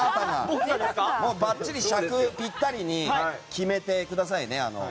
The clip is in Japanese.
ばっちり尺ぴったりに決めてくださいね。